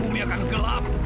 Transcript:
bumi akan gelap